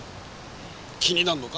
気になるのか？